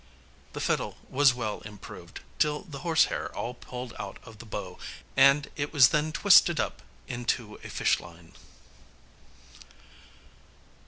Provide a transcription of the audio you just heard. The fiddle was well improved, till the horsehair all pulled out of the bow, and it was then twisted up into a fish line.